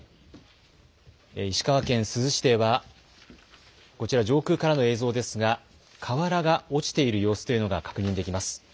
石川県珠洲市では、こちら上空からの映像ですが、瓦が落ちている様子というのが確認できます。